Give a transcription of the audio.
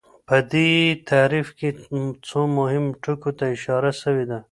په دې تعريف کي څو مهمو ټکو ته اشاره سوي ده.